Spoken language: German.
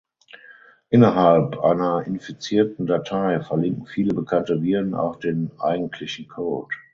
Innerhalb einer infizierten Datei verlinken viele bekannte Viren auch auf den eigentlichen Code.